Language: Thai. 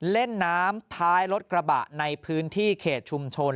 เล่นน้ำท้ายรถกระบะในพื้นที่เขตชุมชน